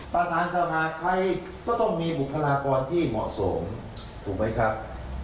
ประธานสภาใครก็ต้องมีบุคลากรที่เหมาะสมถูกไหมครับ